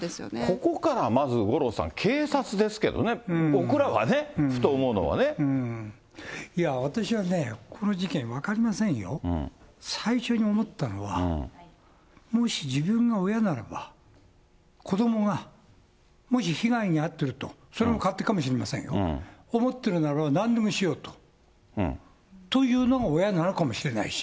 ここからまず、五郎さん、警察ですけどね、いや、私はね、この事件、分かりませんよ、最初に思ったのは、もし自分が親ならば、子どもがもし被害に遭っていると、それも勝手かもしれませんよ、思ってるならなんでもしようと、というのが親なのかもしれないし。